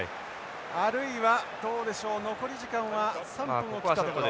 あるいはどうでしょう残り時間は３分を切ったところ。